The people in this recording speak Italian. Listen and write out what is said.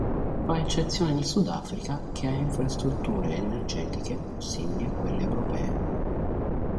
Fa eccezione il Sudafrica, che ha infrastrutture energetiche più simili a quelle europee.